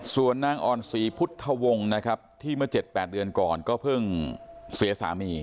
ส่วนนางอ่อนศรีพุทธวงศ์นะครับที่เมื่อ๗๘เดือนก่อนก็เพิ่งเสียสามี